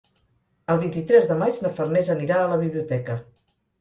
El vint-i-tres de maig na Farners anirà a la biblioteca.